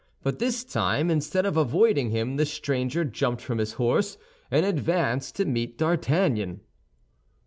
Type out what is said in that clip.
But this time, instead of avoiding him the stranger jumped from his horse, and advanced to meet D'Artagnan.